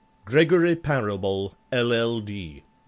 GREGORY PARABLE, LL.D.